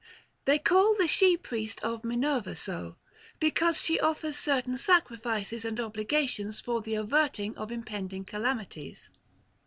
They call the she priest of Minerva so, be cause she offers certain sacrifices and oblations for the averting of impending calamities.